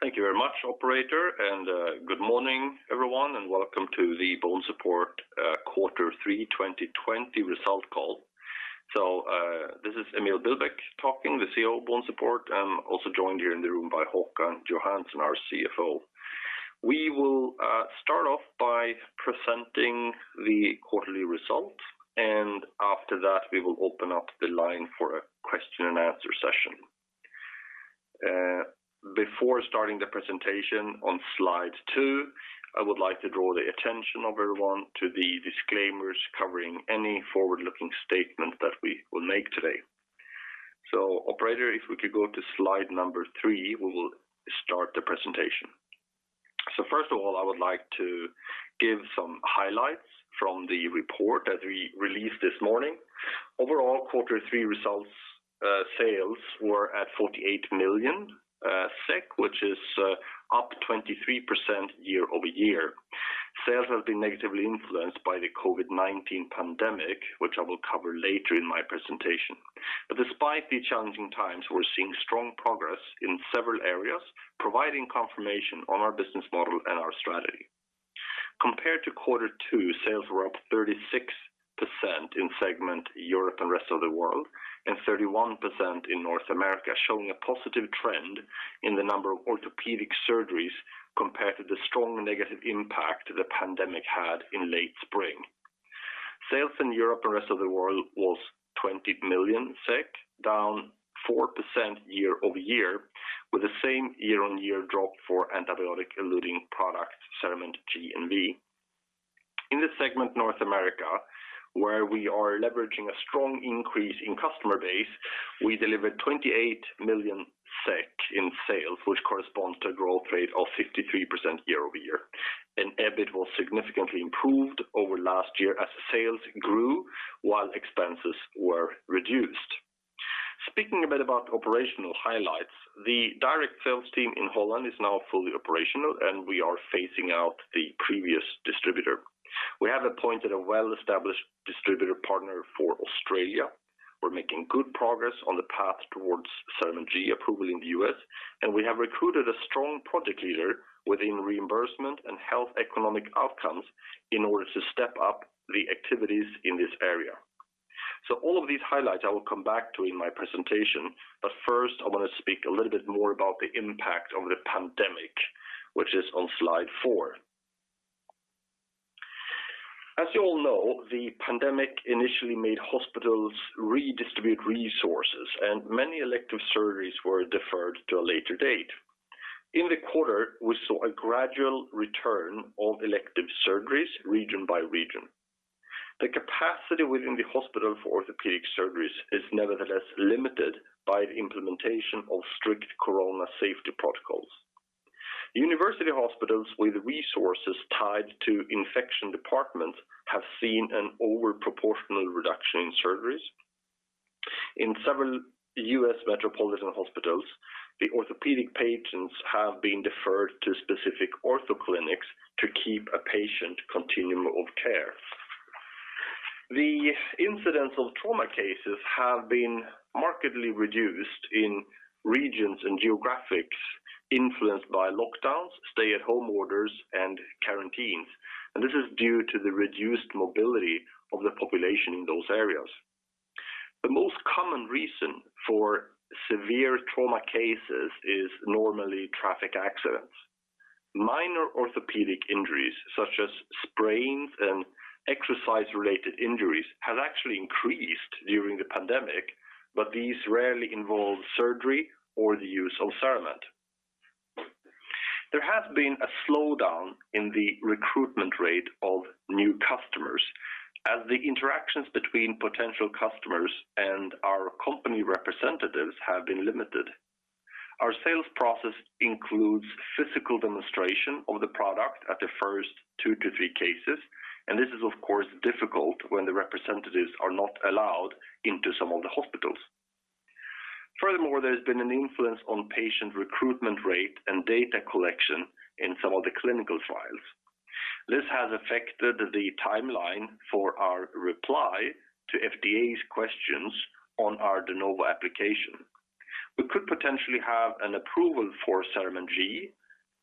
Thank you very much operator, and good morning everyone, and welcome to the BONESUPPORT Q3 2020 Result Call. This is Emil Billbäck talking, the CEO of BONESUPPORT, and also joined here in the room by Håkan Johansson, our CFO. We will start off by presenting the quarterly results, and after that we will open up the line for a question and answer session. Before starting the presentation on slide two, I would like to draw the attention of everyone to the disclaimers covering any forward-looking statement that we will make today. Operator, if we could go to slide number three, we will start the presentation. First of all, I would like to give some highlights from the report that we released this morning. Overall, Q3 results sales were at 48 million SEK, which is up 23% year-over-year. Sales have been negatively influenced by the COVID-19 pandemic, which I will cover later in my presentation. Despite the challenging times, we're seeing strong progress in several areas, providing confirmation on our business model and our strategy. Compared to Q2, sales were up 36% in segment Europe and rest of the world, and 31% in North America, showing a positive trend in the number of orthopedic surgeries compared to the strong negative impact the pandemic had in late spring. Sales in Europe and rest of the world was 20 million SEK, down 4% year-over-year, with the same year-on-year drop for antibiotic-eluting products CERAMENT G and V. In the segment North America, where we are leveraging a strong increase in customer base, we delivered 28 million SEK in sales, which corresponds to a growth rate of 53% year-over-year, and EBIT was significantly improved over last year as sales grew while expenses were reduced. Speaking a bit about operational highlights, the direct sales team in Holland is now fully operational, and we are phasing out the previous distributor. We have appointed a well-established distributor partner for Australia. We're making good progress on the path towards CERAMENT G approval in the U.S., and we have recruited a strong project leader within reimbursement and health economic outcomes in order to step up the activities in this area. All of these highlights I will come back to in my presentation, but first I want to speak a little bit more about the impact of the pandemic, which is on slide four. As you all know, the pandemic initially made hospitals redistribute resources and many elective surgeries were deferred to a later date. In the quarter, we saw a gradual return of elective surgeries region by region. The capacity within the hospital for orthopedic surgeries is nevertheless limited by the implementation of strict corona safety protocols. University hospitals with resources tied to infection departments have seen an over proportional reduction in surgeries. In several U.S. metropolitan hospitals, the orthopedic patients have been deferred to specific ortho clinics to keep a patient continuum of care. The incidental trauma cases have been markedly reduced in regions and geographics influenced by lockdowns, stay at home orders, and quarantines. This is due to the reduced mobility of the population in those areas. The most common reason for severe trauma cases is normally traffic accidents. Minor orthopedic injuries such as sprains and exercise-related injuries, have actually increased during the pandemic. These rarely involve surgery or the use of CERAMENT. There has been a slowdown in the recruitment rate of new customers as the interactions between potential customers and our company representatives have been limited. Our sales process includes physical demonstration of the product at the first two to three cases. This is of course difficult when the representatives are not allowed into some of the hospitals. Furthermore, there's been an influence on patient recruitment rate and data collection in some of the clinical trials. This has affected the timeline for our reply to FDA's questions on our De Novo application. We could potentially have an approval for CERAMENT G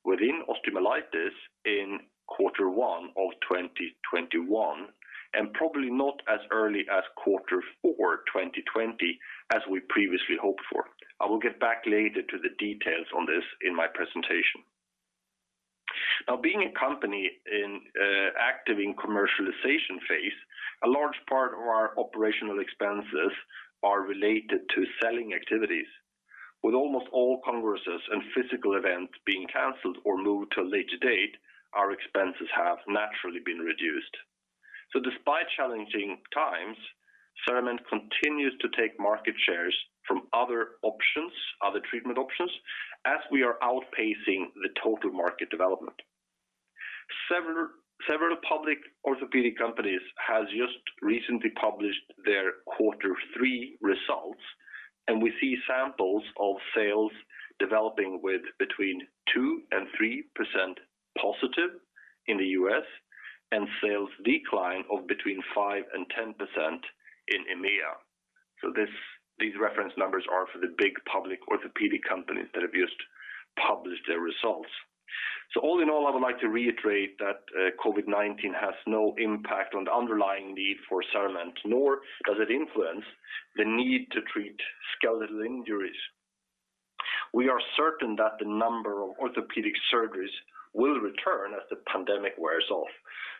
within osteomyelitis in Q1 2021, and probably not as early as Q4 2020 as we previously hoped for. I will get back later to the details on this in my presentation. Now being a company active in commercialization phase, a large part of our operational expenses are related to selling activities. With almost all congresses and physical events being canceled or moved to a later date, our expenses have naturally been reduced. Despite challenging times, CERAMENT continues to take market shares from other treatment options as we are outpacing the total market development. Several public orthopedic companies has just recently published their Q3 results, and we see samples of sales developing with between 2% and 3% positive in the U.S., and sales decline of between 5% and 10% in EMEA. These reference numbers are for the big public orthopedic companies that have just published their results. All in all, I would like to reiterate that COVID-19 has no impact on the underlying need for CERAMENT, nor does it influence the need to treat skeletal injuries. We are certain that the number of orthopedic surgeries will return as the pandemic wears off.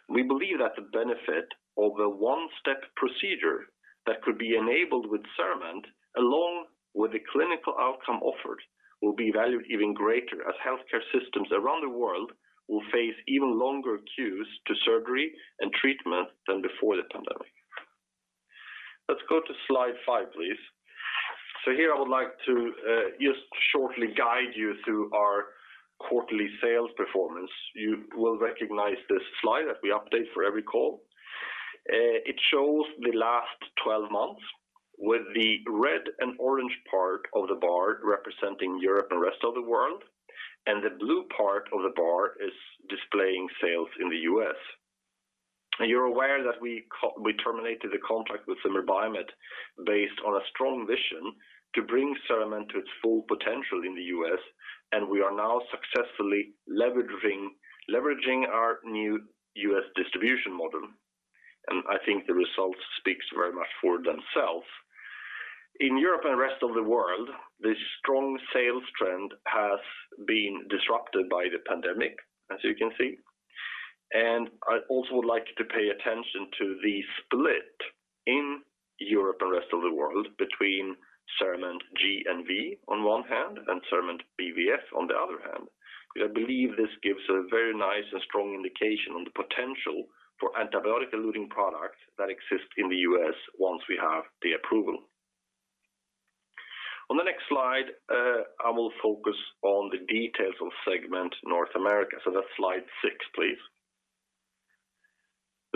We believe that the benefit of a one-step procedure that could be enabled with CERAMENT, along with the clinical outcome offered, will be valued even greater as healthcare systems around the world will face even longer queues to surgery and treatment than before the pandemic. Let's go to slide five, please. Here, I would like to just shortly guide you through our quarterly sales performance. You will recognize this slide that we update for every call. It shows the last 12 months with the red and orange part of the bar representing Europe and rest of the world, and the blue part of the bar is displaying sales in the U.S. You're aware that we terminated the contract with Zimmer Biomet based on a strong vision to bring CERAMENT to its full potential in the U.S., and we are now successfully leveraging our new U.S. distribution model, and I think the results speaks very much for themselves. In Europe and rest of the world, this strong sales trend has been disrupted by the pandemic, as you can see. I also would like you to pay attention to the split in Europe and rest of the world between CERAMENT G and V on one hand, and CERAMENT BVF on the other hand. I believe this gives a very nice and strong indication on the potential for antibiotic-eluting products that exist in the U.S. once we have the approval. On the next slide, I will focus on the details of segment North America. That's slide six, please.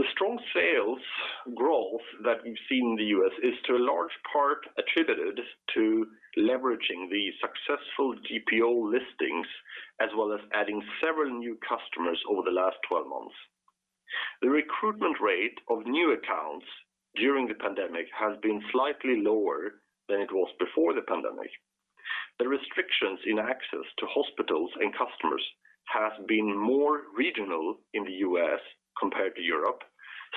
The strong sales growth that we've seen in the U.S. is to a large part attributed to leveraging the successful GPO listings, as well as adding several new customers over the last 12 months. The recruitment rate of new accounts during the pandemic has been slightly lower than it was before the pandemic. The restrictions in access to hospitals and customers has been more regional in the U.S. compared to Europe,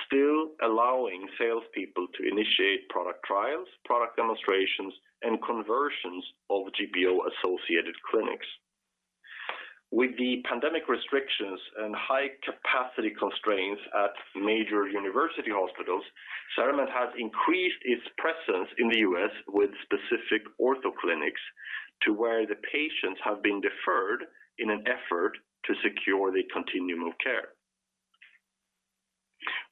still allowing salespeople to initiate product trials, product demonstrations, and conversions of GPO-associated clinics. With the pandemic restrictions and high capacity constraints at major university hospitals, CERAMENT has increased its presence in the U.S. with specific ortho clinics to where the patients have been deferred in an effort to secure the continuum of care.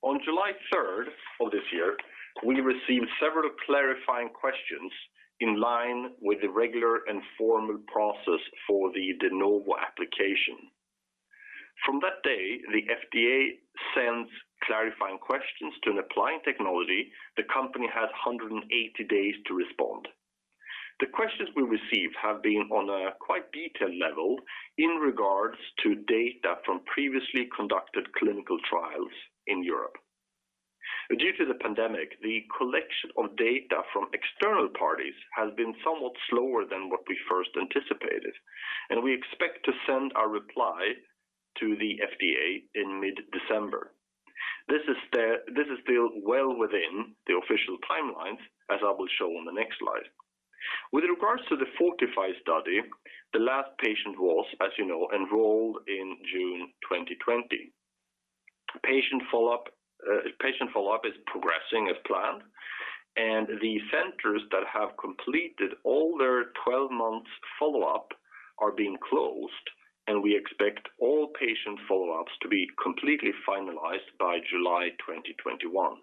On July 3rd of this year, we received several clarifying questions in line with the regular and formal process for the De Novo application. From that day the FDA sends clarifying questions to an applying technology, the company has 180 days to respond. The questions we received have been on a quite detailed level in regards to data from previously conducted clinical trials in Europe. Due to the pandemic, the collection of data from external parties has been somewhat slower than what we first anticipated, and we expect to send our reply to the FDA in mid-December. This is still well within the official timelines, as I will show on the next slide. With regards to the FORTIFY study, the last patient was, as you know, enrolled in June 2020. Patient follow-up is progressing as planned, and the centers that have completed all their 12 months follow-up are being closed, and we expect all patient follow-ups to be completely finalized by July 2021.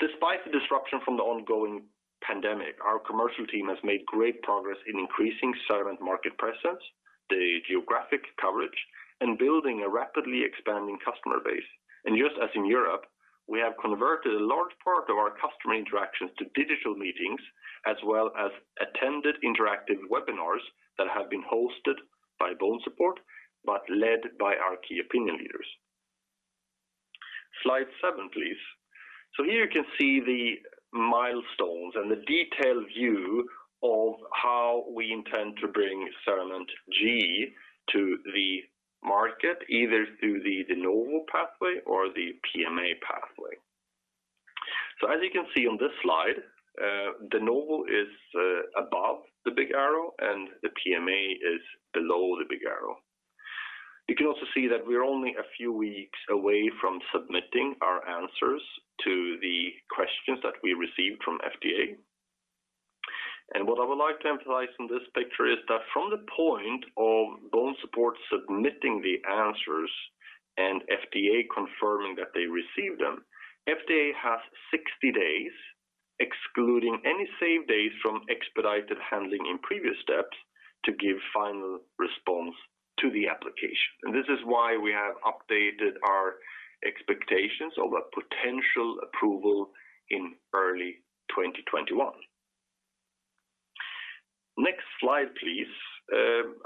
Despite the disruption from the ongoing pandemic, our commercial team has made great progress in increasing CERAMENT market presence, the geographic coverage, and building a rapidly expanding customer base. Just as in Europe, we have converted a large part of our customer interactions to digital meetings, as well as attended interactive webinars that have been hosted by BONESUPPORT, but led by our key opinion leaders. Slide seven, please. Here you can see the milestones and the detailed view of how we intend to bring CERAMENT G to the market, either through the De Novo pathway or the PMA pathway. As you can see on this slide, De Novo is above the big arrow and the PMA is below the big arrow. You can also see that we're only a few weeks away from submitting our answers to the questions that we received from FDA. What I would like to emphasize in this picture is that from the point of BONESUPPORT submitting the answers and FDA confirming that they received them, FDA has 60 days, excluding any save days from expedited handling in previous steps, to give final response to the application. This is why we have updated our expectations of a potential approval in early 2021. Next slide, please.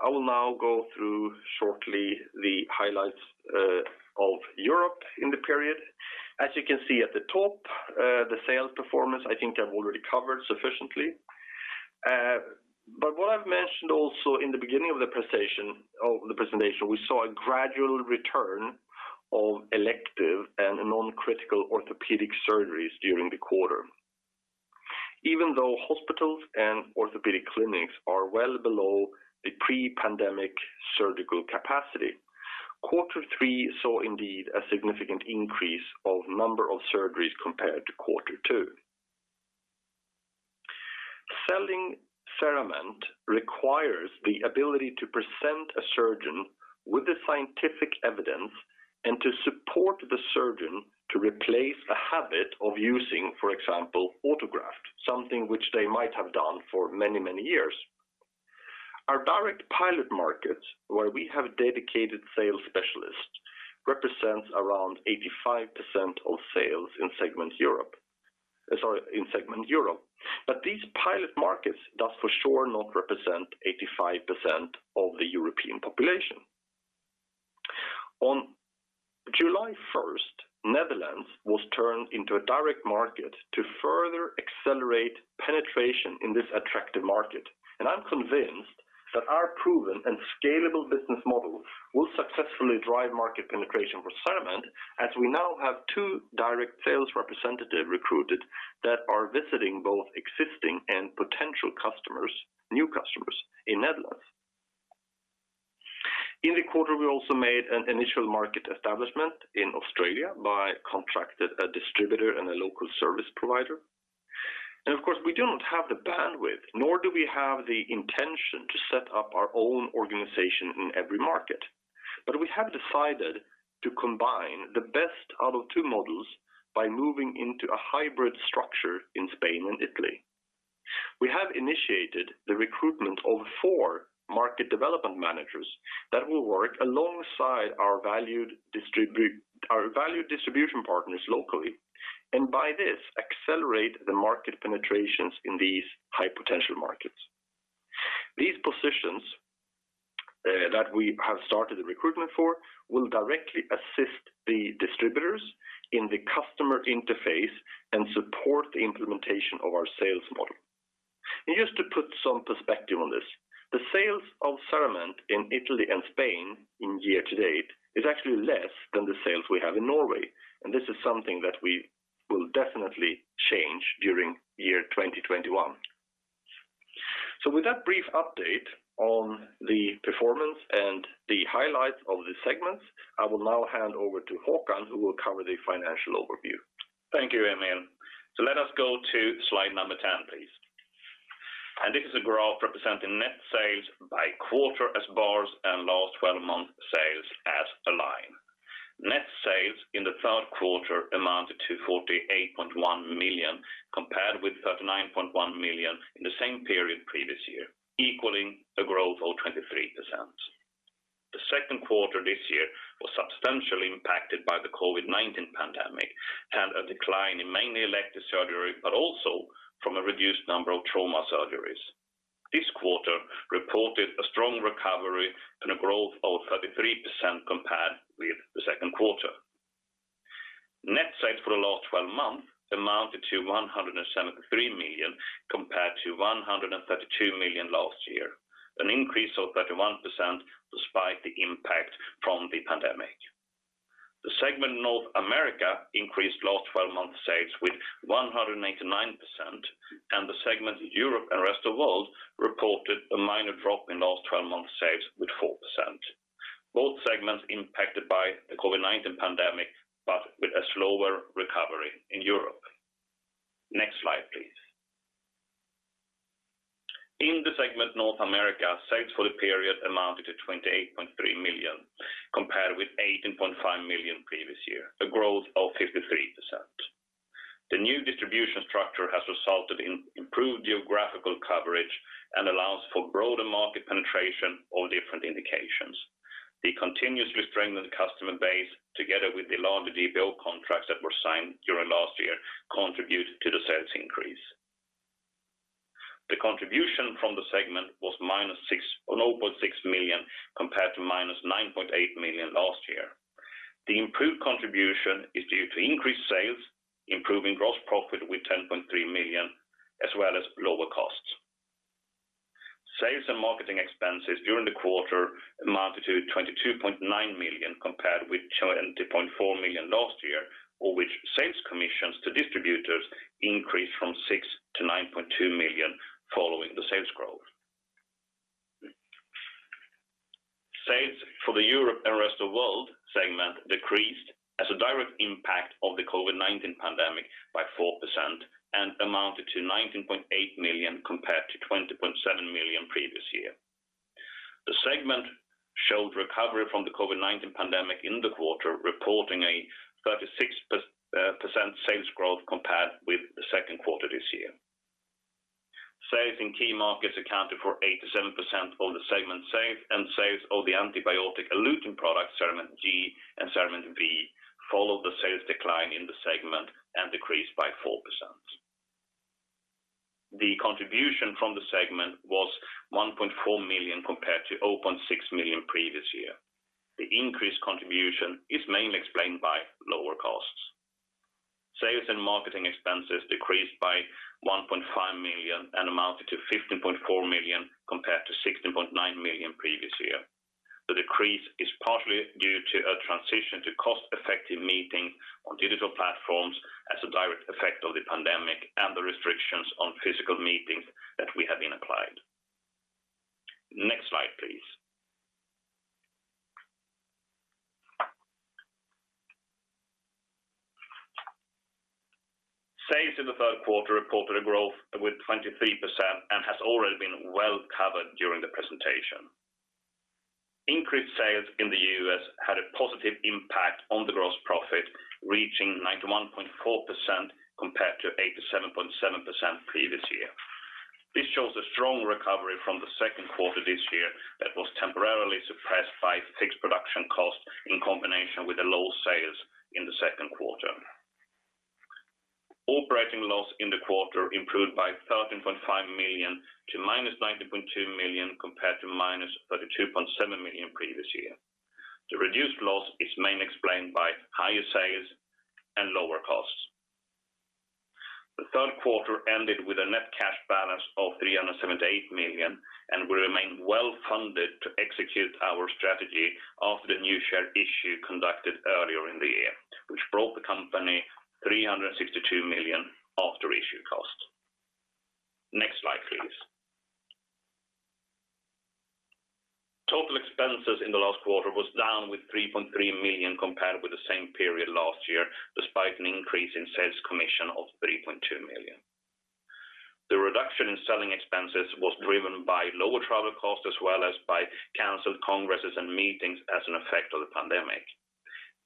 I will now go through shortly the highlights of Europe in the period. As you can see at the top, the sales performance, I think I've already covered sufficiently. What I've mentioned also in the beginning of the presentation, we saw a gradual return of elective and non-critical orthopedic surgeries during the quarter. Even though hospitals and orthopedic clinics are well below the pre-pandemic surgical capacity, Q3 saw indeed a significant increase of number of surgeries compared to Q2. Selling CERAMENT requires the ability to present a surgeon with the scientific evidence and to support the surgeon to replace a habit of using, for example, autograft, something which they might have done for many, many years. Our direct pilot market, where we have dedicated sales specialists, represents around 85% of sales in segment Europe. These pilot markets does for sure not represent 85% of the European population. On July 1st, Netherlands was turned into a direct market to further accelerate penetration in this attractive market, and I'm convinced that our proven and scalable business model will successfully drive market penetration for CERAMENT as we now have two direct sales representative recruited that are visiting both existing and potential new customers in Netherlands. In the quarter, we also made an initial market establishment in Australia by contracted a distributor and a local service provider. Of course, we do not have the bandwidth, nor do we have the intention to set up our own organization in every market. We have decided to combine the best out of two models by moving into a hybrid structure in Spain and Italy. We have initiated the recruitment of four market development managers that will work alongside our valued distribution partners locally, and by this, accelerate the market penetrations in these high-potential markets. These positions that we have started the recruitment for will directly assist the distributors in the customer interface and support the implementation of our sales model. Just to put some perspective on this, the sales of CERAMENT in Italy and Spain in year to date is actually less than the sales we have in Norway, and this is something that we will definitely change during year 2021. With that brief update on the performance and the highlights of the segments, I will now hand over to Håkan, who will cover the financial overview. Thank you, Emil. Let us go to slide number 10, please. This is a graph representing net sales by quarter as bars and last 12-month sales as a line. Net sales in the Q3 amounted to 48.1 million, compared with 39.1 million in the same period previous year, equaling a growth of 23%. The Q2 this year was substantially impacted by the COVID-19 pandemic and a decline in mainly elective surgery, but also from a reduced number of trauma surgeries. This quarter reported a strong recovery and a growth of 33% compared with the Q2. Net sales for the last 12 months amounted to 173 million compared to 132 million last year, an increase of 31% despite the impact from the pandemic. The segment North America increased last 12 months sales with 189%, and the segment Europe and Rest of World reported a minor drop in last 12 months sales with 4%. Both segments impacted by the COVID-19 pandemic, but with a slower recovery in Europe. Next slide, please. In the segment North America, sales for the period amounted to 28.3 million, compared with 18.5 million previous year, a growth of 53%. The new distribution structure has resulted in improved geographical coverage and allows for broader market penetration of different indications. The continuous strengthened customer base, together with the larger GPO contracts that were signed during last year, contribute to the sales increase. The contribution from the segment was minus 0.6 million compared to minus 9.8 million last year. The improved contribution is due to increased sales, improving gross profit with 10.3 million, as well as lower costs. Sales and marketing expenses during the quarter amounted to 22.9 million, compared with 20.4 million last year, of which sales commissions to distributors increased from six to 9.2 million following the sales growth. Sales for the Europe and Rest of World segment decreased as a direct impact of the COVID-19 pandemic by 4% and amounted to 19.8 million compared to 20.7 million previous year. The segment showed recovery from the COVID-19 pandemic in the quarter, reporting a 36% sales growth compared with the Q2 this year. Sales in key markets accounted for 87% of the segment sales, and sales of the antibiotic-eluting product, CERAMENT G and CERAMENT V followed the sales decline in the segment and decreased by 4%. The contribution from the segment was 1.4 million compared to 0.6 million previous year. The increased contribution is mainly explained by lower costs. Sales and marketing expenses decreased by 1.5 million and amounted to 15.4 million compared to 16.9 million previous year. The decrease is partly due to a transition to cost-effective meetings on digital platforms as a direct effect of the pandemic and the restrictions on physical meetings that we have been applied. Next slide, please. Sales in the Q3 reported a growth with 23% and has already been well covered during the presentation. Increased sales in the U.S. had a positive impact on the gross profit, reaching 91.4% compared to 87.7% previous year. This shows a strong recovery from the Q2 this year that was temporarily suppressed by fixed production cost in combination with the low sales in the Q2. Operating loss in the quarter improved by 13.5 million to -90.2 million compared to -32.7 million previous year. The reduced loss is mainly explained by higher sales and lower costs. The Q3 ended with a net cash balance of 378 million and will remain well-funded to execute our strategy after the new share issue conducted earlier in the year, which brought the company 362 million after issue cost. Next slide, please. Total expenses in the last quarter was down with 3.3 million compared with the same period last year, despite an increase in sales commission of 3.2 million. The reduction in selling expenses was driven by lower travel costs as well as by canceled congresses and meetings as an effect of the pandemic.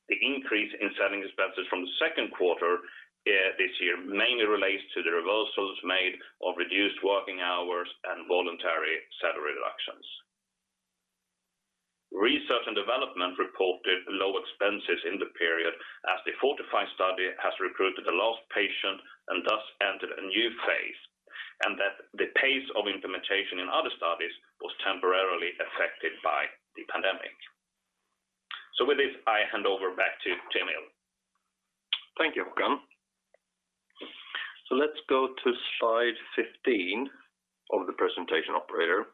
The increase in selling expenses from the Q2 this year mainly relates to the reversals made of reduced working hours and voluntary salary reductions. Research and development reported low expenses in the period as the FORTIFY study has recruited the last patient and thus entered a new phase, and that the pace of implementation in other studies was temporarily affected by the pandemic. With this, I hand over back to Emil. Thank you, Håkan. Let's go to slide 15 of the presentation, operator.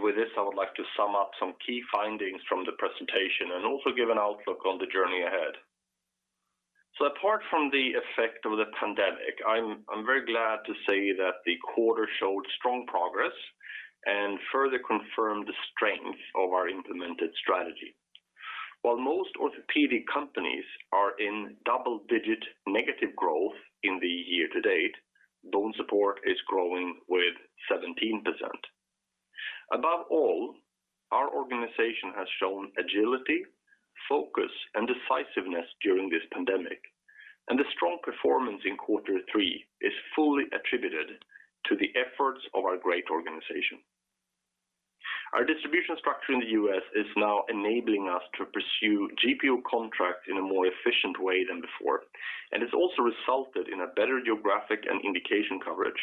With this, I would like to sum up some key findings from the presentation and also give an outlook on the journey ahead. Apart from the effect of the pandemic, I'm very glad to say that the quarter showed strong progress and further confirmed the strength of our implemented strategy. While most orthopedic companies are in double-digit negative growth in the year to date, BONESUPPORT is growing with 17%. Above all, our organization has shown agility, focus, and decisiveness during this pandemic. The strong performance in quarter three is fully attributed to the efforts of our great organization. Our distribution structure in the U.S. is now enabling us to pursue GPO contract in a more efficient way than before, and it's also resulted in a better geographic and indication coverage.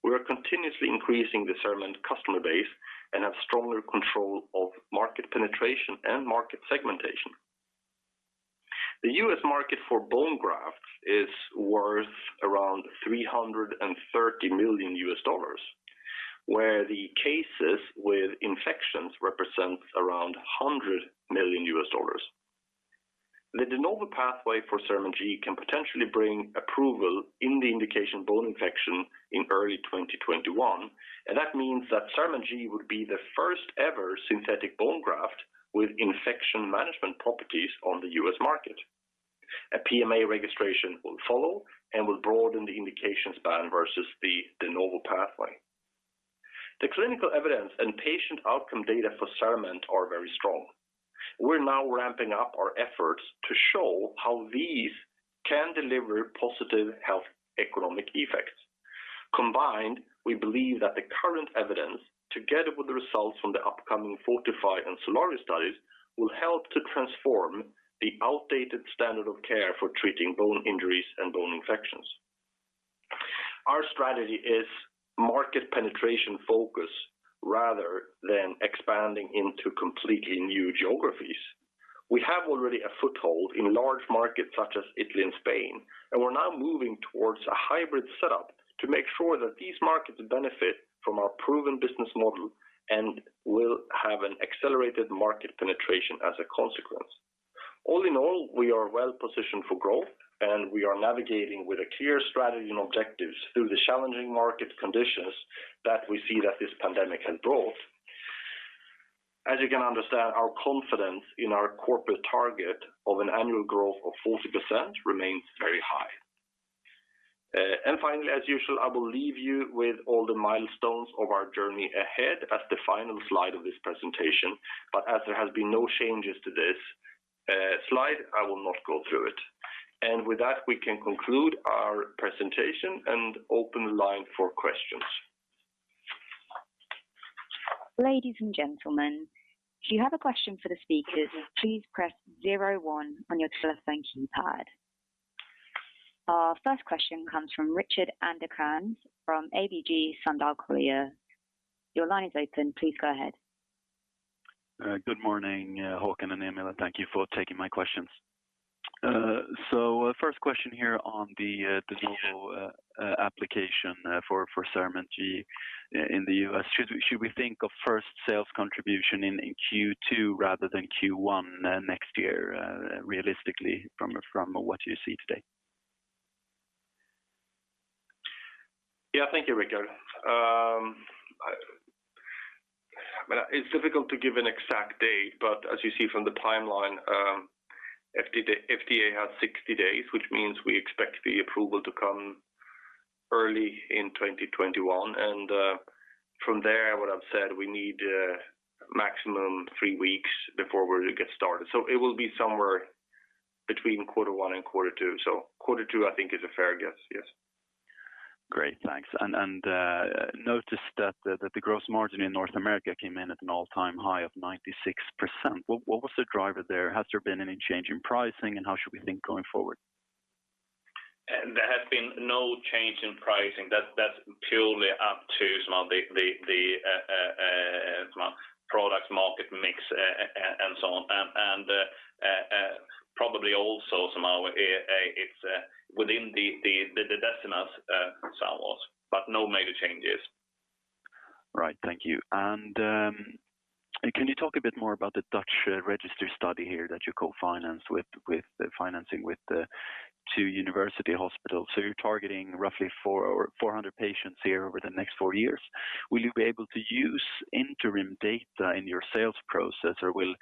We are continuously increasing the CERAMENT customer base and have stronger control of market penetration and market segmentation. The U.S. market for bone grafts is worth around $330 million, where the cases with infections represent around $100 million. The De Novo pathway for CERAMENT G can potentially bring approval in the indication bone infection in early 2021, and that means that CERAMENT G would be the first ever synthetic bone graft with infection management properties on the U.S. market. A PMA registration will follow and will broaden the indications span versus the De Novo pathway. The clinical evidence and patient outcome data for CERAMENT are very strong. We're now ramping up our efforts to show how these can deliver positive health economic effects. Combined, we believe that the current evidence, together with the results from the upcoming FORTIFY and SOLARIO studies, will help to transform the outdated standard of care for treating bone injuries and bone infections. Our strategy is market penetration focus rather than expanding into completely new geographies. We have already a foothold in large markets such as Italy and Spain, and we're now moving towards a hybrid setup to make sure that these markets benefit from our proven business model and will have an accelerated market penetration as a consequence. All in all, we are well positioned for growth, and we are navigating with a clear strategy and objectives through the challenging market conditions that we see that this pandemic has brought. As you can understand, our confidence in our corporate target of an annual growth of 40% remains very high. Finally, as usual, I will leave you with all the milestones of our journey ahead as the final slide of this presentation. As there has been no changes to this slide, I will not go through it. With that, we can conclude our presentation and open the line for questions. Ladies and gentlemen, if you have a question for the speakers, please press zero one on your telephone keypad. Our first question comes from Richard Anderkrantz from ABG Sundal Collier. Your line is open. Please go ahead. Good morning, Håkan and Emil. Thank you for taking my questions. Sure De Novo application for CERAMENT G in the U.S. Should we think of first sales contribution in Q2 rather than Q1 next year realistically from what you see today? Thank you, Richard. It's difficult to give an exact date, as you see from the timeline, FDA has 60 days, which means we expect the approval to come early in 2021. From there, what I've said, we need maximum three weeks before we get started. It will be somewhere between Q1 and Q2. Q2, I think is a fair guess. Yes. Great. Thanks. Noticed that the gross margin in North America came in at an all-time high of 96%. What was the driver there? Has there been any change in pricing, and how should we think going forward? There has been no change in pricing. That's purely up to some of the product market mix and so on. Probably also some are within the decimals somewhat, but no major changes. Right. Thank you. Can you talk a bit more about the Dutch register study here that you co-finance with the two university hospitals? You're targeting roughly 400 patients here over the next four years. Will you be able to use interim data in your sales process, or will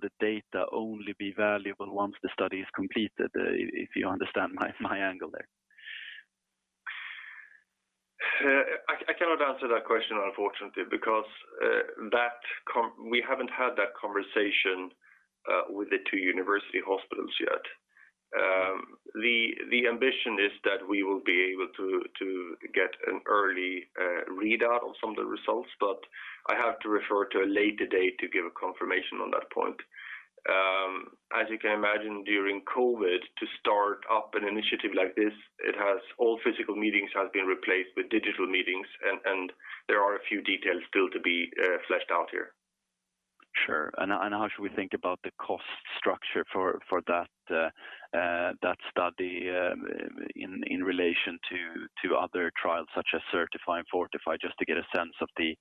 the data only be valuable once the study is completed? If you understand my angle there. I cannot answer that question unfortunately, because we haven't had that conversation with the two university hospitals yet. The ambition is that we will be able to get an early readout of some of the results, but I have to refer to a later date to give a confirmation on that point. As you can imagine, during COVID, to start up an initiative like this, all physical meetings have been replaced with digital meetings, and there are a few details still to be fleshed out here. Sure. How should we think about the cost structure for that study in relation to other trials such as CERTiFy and FORTIFY, just to get a sense of the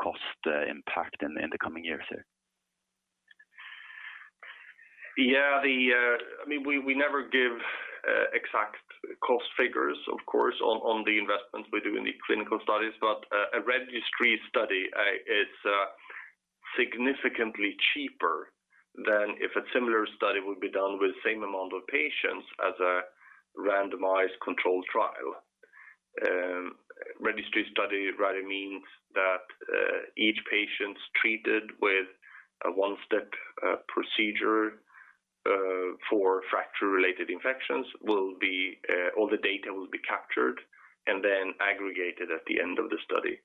cost impact in the coming years here? Yeah. We never give exact cost figures, of course, on the investments we do in the clinical studies. A registry study is significantly cheaper than if a similar study would be done with the same amount of patients as a randomized controlled trial. Registry study rather means that each patient's treated with a one-step procedure for fracture-related infections, all the data will be captured and then aggregated at the end of the study.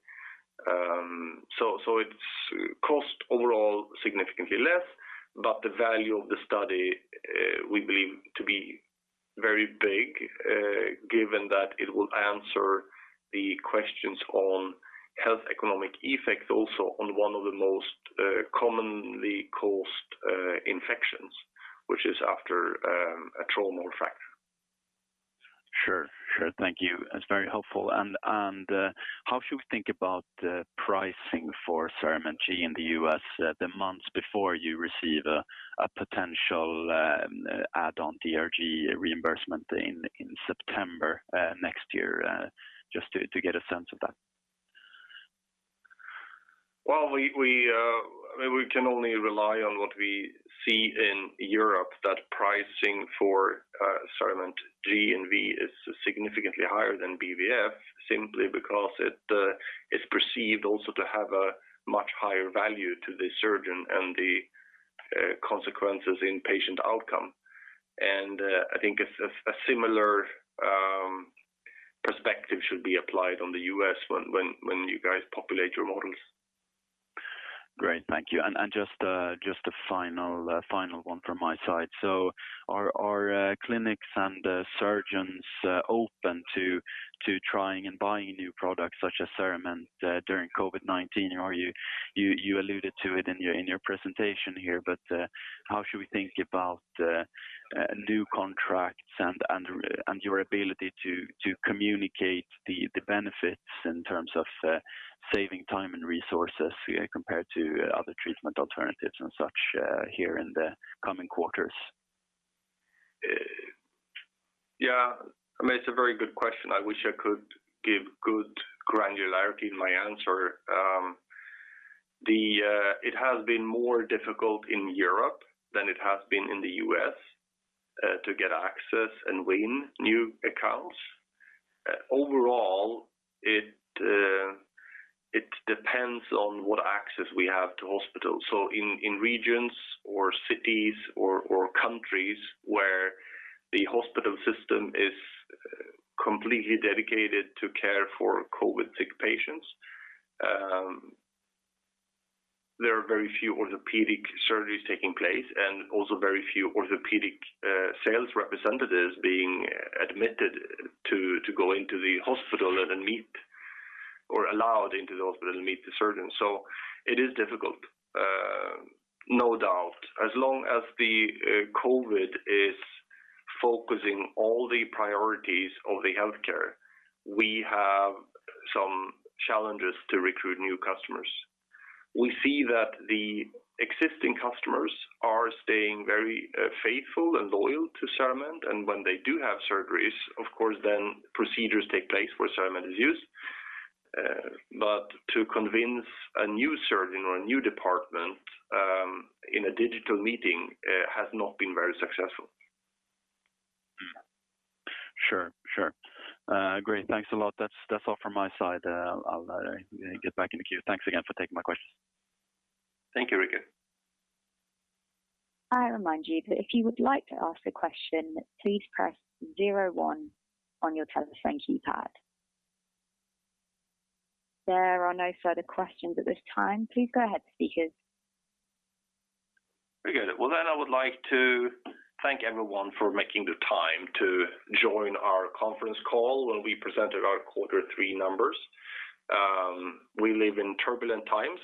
It costs overall significantly less. The value of the study we believe to be very big, given that it will answer the questions on health economic effects also on one of the most commonly caused infections, which is after a trauma or fracture. Sure. Thank you. That's very helpful. How should we think about pricing for CERAMENT G in the U.S. the months before you receive a potential add-on DRG reimbursement in September next year? Just to get a sense of that. Well, we can only rely on what we see in Europe, that pricing for CERAMENT G and V is significantly higher than BVF, simply because it is perceived also to have a much higher value to the surgeon and the consequences in patient outcome. I think a similar perspective should be applied on the U.S. when you guys populate your models. Great. Thank you. Just a final one from my side. Are clinics and surgeons open to trying and buying new products such as CERAMENT during COVID-19? You alluded to it in your presentation here. How should we think about new contracts and your ability to communicate the benefits in terms of saving time and resources compared to other treatment alternatives and such here in the coming quarters? It's a very good question. I wish I could give good granularity in my answer. It has been more difficult in Europe than it has been in the U.S. to get access and win new accounts. It depends on what access we have to hospitals. In regions or cities or countries where the hospital system is completely dedicated to care for COVID-19 sick patients, there are very few orthopedic surgeries taking place, and also very few orthopedic sales representatives being admitted to go into the hospital and meet, or allowed into the hospital to meet the surgeon. It is difficult, no doubt. As long as the COVID-19 is focusing all the priorities of the healthcare, we have some challenges to recruit new customers. We see that the existing customers are staying very faithful and loyal to CERAMENT, and when they do have surgeries, of course, then procedures take place where CERAMENT is used. To convince a new surgeon or a new department in a digital meeting has not been very successful. Sure. Great. Thanks a lot. That's all from my side. I'll get back in the queue. Thanks again for taking my questions. Thank you, Richard. I remind you that if you would like to ask a question, please press 01 on your telephone keypad. There are no further questions at this time. Please go ahead, speakers. Very good. Well, I would like to thank everyone for making the time to join our conference call when we presented our quarter three numbers. We live in turbulent times.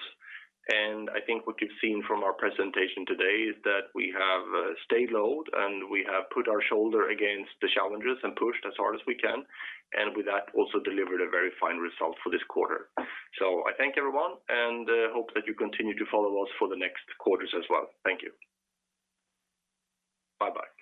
I think what you've seen from our presentation today is that we have stayed low, and we have put our shoulder against the challenges and pushed as hard as we can. With that, also delivered a very fine result for this quarter. I thank everyone, and hope that you continue to follow us for the next quarters as well. Thank you. Bye-bye.